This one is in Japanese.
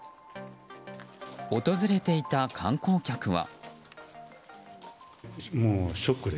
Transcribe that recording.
訪れていた観光客は。